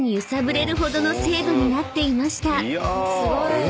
すごい！え！